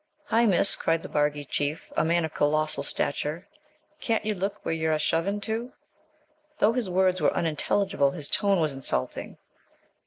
'Hi, Miss,' cried the Barghî chief, a man of colossal stature, 'Can't yer look where yer a shovin' to?' Though his words were unintelligible, his tone was insulting.